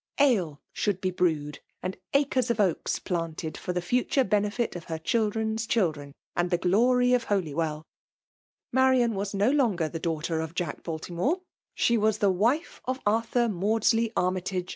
Ale should be brewed^ and acres of oaks planted, for the futtite benefit of her children's children, and the glory of H<dywelL Marian was no longer the daughter of a J«ck Baltunoie ^Hdie was the wife of Arthur Maudsley Armytage